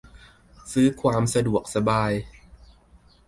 ซื้อความสะดวกสบาย